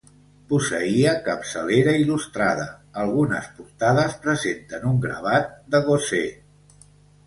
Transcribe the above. Posseïa capçalera il·lustrada, algunes portades presenten un gravat de Gosé.